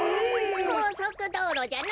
こうそくどうろじゃなくて。